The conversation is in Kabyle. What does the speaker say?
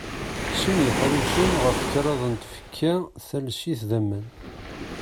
Sin yiḥricen ɣef kraḍ n tfekka talsit d aman.